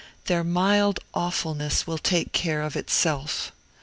Their mild awfulness will take care of itself.